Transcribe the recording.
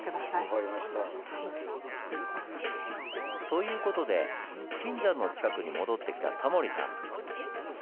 という事で金山の近くに戻ってきたタモリさん。